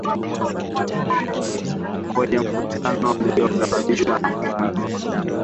kwenye mkutano zilisababisha vifo vya watu wawili na dazeni kujeruhiwa